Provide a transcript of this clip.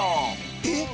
えっ！